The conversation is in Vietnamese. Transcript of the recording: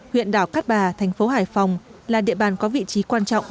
huyện đảo cát bà thành phố hải phòng là địa bàn có vị trí quan trọng